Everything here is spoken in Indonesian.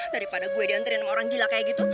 daripada gue diantri sama orang gila kayak gitu